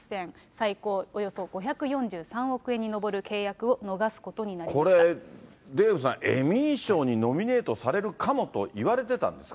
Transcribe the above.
最高およそ５４３億円に上る計画を逃すこれ、デーブさん、エミー賞にノミネートされるかもと言われてたんですか？